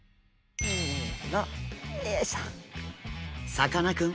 さかなクン